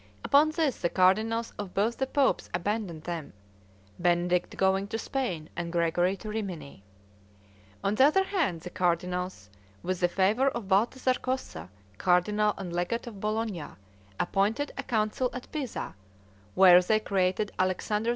Upon this, the cardinals of both the popes abandoned them, Benedict going to Spain, and Gregory to Rimini. On the other hand, the cardinals, with the favor of Balthazar Cossa, cardinal and legate of Bologna, appointed a council at Pisa, where they created Alexander V.